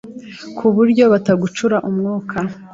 ku buryo batagucura umwuka`